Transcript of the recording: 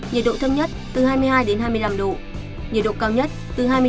nhiệt độ thâm nhất từ hai mươi đến hai mươi độ phía nam có nơi trên hai mươi độ phía nam có nơi trên hai mươi độ